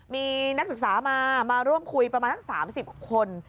มีนักศึกษามามาร่วมคุยประมาณสัก๓๐คน